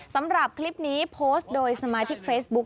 สำหรับคลิปนี้โพสต์โดยสมาชิกเฟซบุ๊ค